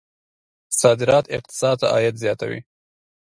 صادرات اقتصاد ته عاید زیاتوي.